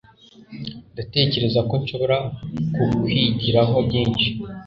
Ndatekereza ko nshobora kukwigiraho byinshi.